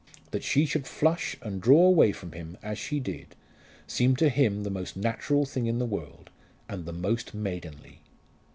That she should flush and draw away from him as she did, seemed to him the most natural thing in the world, and the most maidenly.